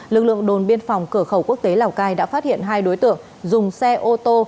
lực lượng đồn biên phòng cửa khẩu quốc tế lào cai đã phát hiện hai đối tượng dùng xe ô tô